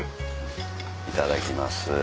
いただきます。